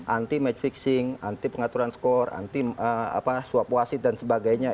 anti match fixing anti pengaturan skor anti suap wasit dan sebagainya